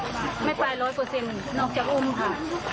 ไม่ไปร้อยเปอร์เซ็นต์นอกจากอุ้มค่ะ